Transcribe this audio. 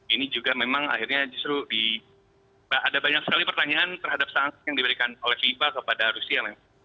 ini juga memang akhirnya justru ada banyak sekali pertanyaan terhadap sanksi yang diberikan oleh fifa kepada rusia